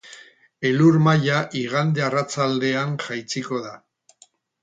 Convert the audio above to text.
Elur maila igande arratsaldean jaitsiko da.